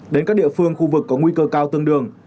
đến các địa phương khu vực có nguy cơ cao tương đương